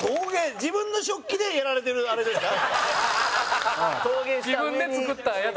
自分の食器でやられてる、あれですか？